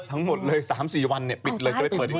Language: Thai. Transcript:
หลังจาก๓๔วันปิดเลย